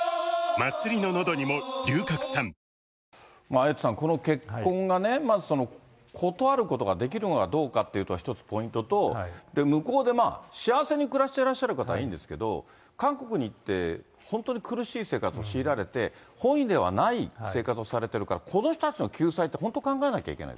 エイトさん、この結婚がね、まず、断ることができるのかどうかっていうのが一つポイントと、向こうで幸せに暮らしてらっしゃる方はいいんですけど、韓国に行って、本当に苦しい生活を強いられて、本意ではない生活をされてる方、この人たちの救済って、本当考えなきゃいけない。